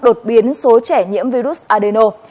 đột biến số trẻ nhiễm virus adeno